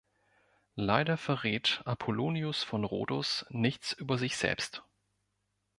Leider verrät Apollonius von Rhodos nichts über sich selbst.